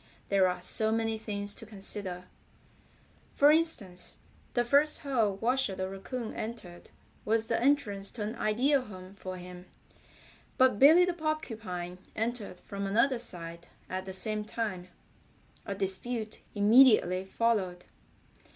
There are so many things to consider. For instance, the first hole Washer the Raccoon entered was the entrance to an ideal home for him, but Billy the Porcupine entered from another side at the same time. A dispute immediately followed.